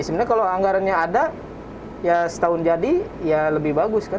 sebenarnya kalau anggarannya ada ya setahun jadi ya lebih bagus kan